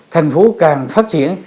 thành phố càng phát triển